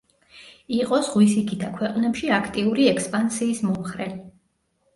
იყო „ზღვისიქითა“ ქვეყნებში აქტიური ექსპანსიის მომხრე.